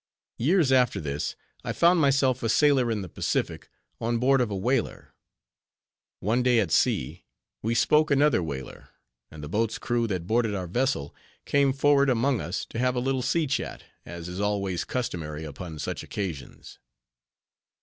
Years after this, I found myself a sailor in the Pacific, on board of a whaler. One day at sea, we spoke another whaler, and the boat's crew that boarded our vessel, came forward among us to have a little sea chat, as is always customary upon such occasions.